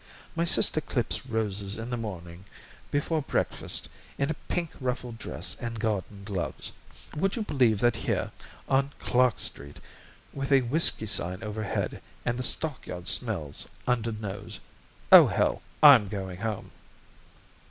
My sister clips roses in the morning, before breakfast, in a pink ruffled dress and garden gloves. Would you believe that, here, on Clark Street, with a whiskey sign overhead, and the stock yard smells undernose? O, hell! I'm going home."